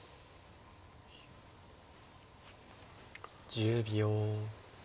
１０秒。